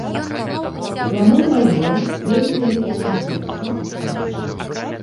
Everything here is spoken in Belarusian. Плануем альбом, вельмі вялікі канцэрт, пафасны, магчыма.